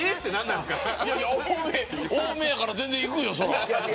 多めやから全然いくよ。